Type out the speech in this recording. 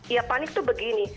ya panik tuh begini